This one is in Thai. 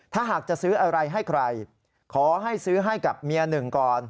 ถ้าหากจะซื้ออะไรให้ใครขอให้ซื้อให้กับเมียหนึ่งก่อน